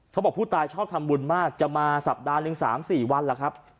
เขาบอกผู้ตายชอบทำบุญมากจะมาสัปดาห์หนึ่ง๓๔วันล่ะครับ